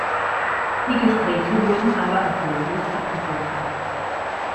Die Gespräche wurden aber erfolglos abgebrochen.